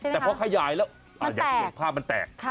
แต่พอขยายแล้วมันแตก